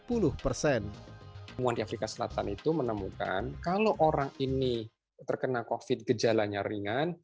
temuan di afrika selatan itu menemukan kalau orang ini terkena covid gejalanya ringan